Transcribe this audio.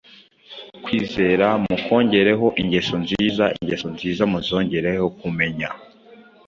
kwizera mukongereho ingeso nziza; ingeso nziza muzongereho kumenya;